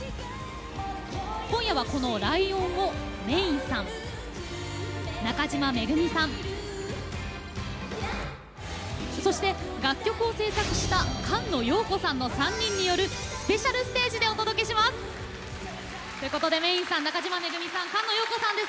今夜はこの「ライオン」をＭａｙ’ｎさん中島愛さんそして楽曲を制作した菅野よう子さんの３人によるスペシャルステージでお届けします。ということでＭａｙ’ｎさん中島愛さん菅野よう子さんです。